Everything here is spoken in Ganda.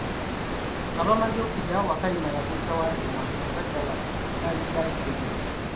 Nga bamaze okulya, Wakayima n'abuuza Wankima oba ddala kyalidde akitegedde.